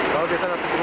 kalau biasa lewat cibubur